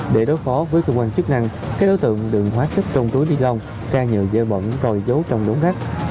để đối phó với cơ quan chức năng cái đối tượng được hóa chất trong túi nilon ca nhựa dơ bẩn rồi giấu trong đống rác